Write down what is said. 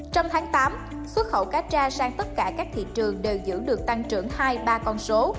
trong tháng tám xuất khẩu cá tra sang tất cả các thị trường đều giữ được tăng trưởng hai ba con số